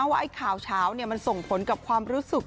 ว่าข่าวเช้ามันส่งผลกับความรู้สึก